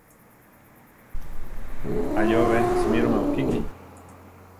Ayóbe simíroma ukiki.